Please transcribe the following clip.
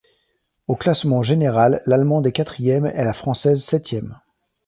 Au classement général, l'Allemande est quatrième et la Française septième.